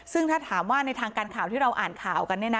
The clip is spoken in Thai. ซึ่งถ้าถามว่าในทางการข่าวที่เราอ่านข่าวกัน